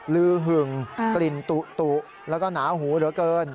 ลือหึงกลิ่นตุแล้วก็หนาหูเหลือเกิน